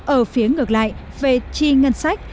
ở phía ngược lại về chi ngân sách